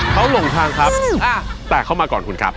เขาหลงทางครับแต่เขามาก่อนคุณครับ